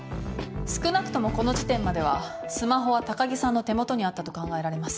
少なくともこの時点まではスマホは高城さんの手元にあったと考えられます。